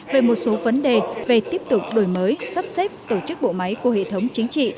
về một số vấn đề về tiếp tục đổi mới sắp xếp tổ chức bộ máy của hệ thống chính trị